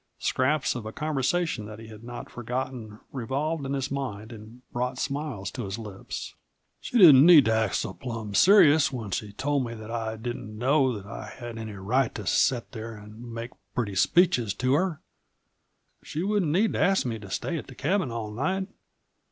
Scraps of a conversation that he had not forgotten revolved in his mind and brought smiles to his lips. "She didn't need to act so plum serious when she told me that I didn't know that I had any right to set there an' make pretty speeches to her. ... She wouldn't need to ask me to stay at the cabin all night.